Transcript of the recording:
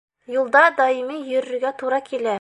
Юлда даими йөрөргә тура килә.